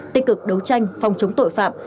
tích cực đấu tranh phòng chống tội phạm